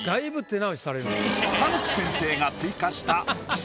田口先生が追加した。